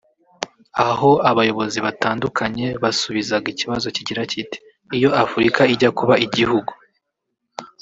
aho abayobozi batandukanye basubizaga ikibazo kigira kiti « Iyo Afurika ijya kuba igihugu